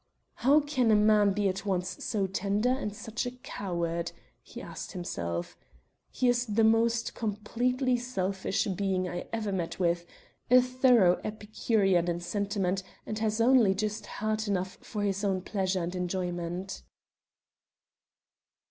"How can a man be at once so tender and such a coward?" he asked himself, "He is the most completely selfish being I ever met with a thorough epicurean in sentiment, and has only just heart enough for his own pleasure and enjoyment."